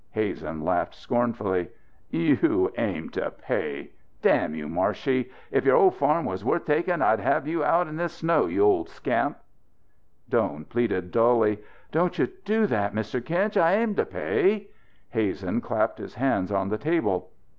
Hazen laughed scornfully. "You aim to pay! Damn you, Marshey, if your old farm was worth taking I'd have you out in this snow, you old scamp!" Doan pleaded dully: "Don't you do that, Mr Kinch! I aim to pay." Hazen clapped his hands on the table.